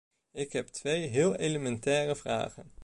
Ik heb twee heel elementaire vragen.